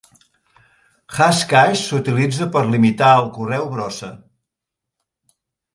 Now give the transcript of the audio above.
Hashcash s'utilitza per limitar el correu brossa.